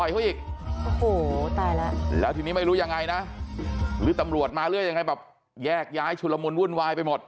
เขาอีกโอ้โหตายแล้วแล้วทีนี้ไม่รู้ยังไงนะหรือตำรวจมาหรือยังไงแบบแยกย้ายชุลมุนวุ่นวายไปหมด